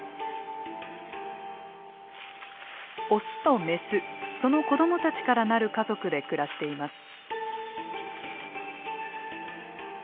オスとメスその子どもたちから成る家族で暮らしています。